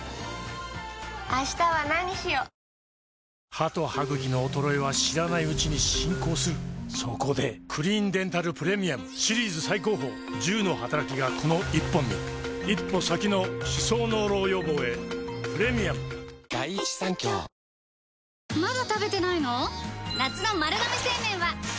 歯と歯ぐきの衰えは知らないうちに進行するそこで「クリーンデンタルプレミアム」シリーズ最高峰１０のはたらきがこの１本に一歩先の歯槽膿漏予防へプレミアム続いてはアクティブ中継です。